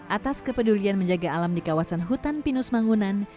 atas kepedulian menjaga alam di kawasan hutan pinus mangunan